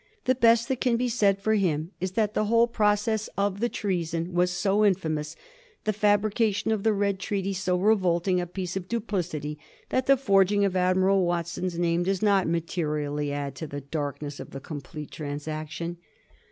The best that can be said for him is that the whole process of the trea 1757. THE RED TREATY. 27 1 Bon was so infamous, the fabrication of the Red Treaty so revolting a piece of duplicity, that the forging of Ad miral Watson's name does not materially add to the dark ness of the complete transaction.